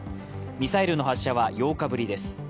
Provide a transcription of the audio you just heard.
ミサイルの発射は８日ぶりです。